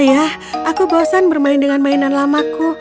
ayah aku bosan bermain dengan mainan lamaku